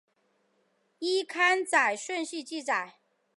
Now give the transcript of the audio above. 依刊载顺序记载。